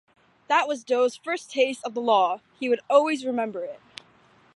That was Do's first taste of the law-he would always remember it.